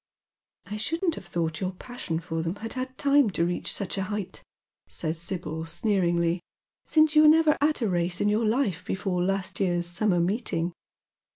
" I shouldn't have thought your passion for them had had time to reach such a height," says Sibyl, sneeringly, "since you never were at a race in your life before last year's summer meeting."